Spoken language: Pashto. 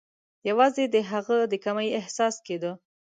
یوازي د هغه د کمۍ احساس کېده.